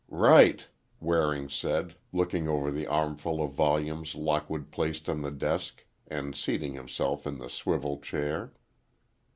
"Right," Waring said, looking over the armful of volumes Lockwood placed on the desk and seating himself in the swivel chair.